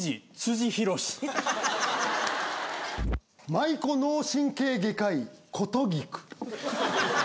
舞妓脳神経外科医琴菊。